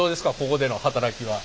ここでの働きは。